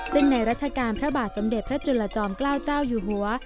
ซึ่งในรัชกาลพระบาทสมเด็จพระจุลจอมเกล้าเจ้าอยู่หัว